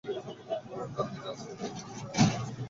পুরোটা দিন রাসেলফিল্ডের একটা হোটেল রুমে কাটিয়েছিলাম।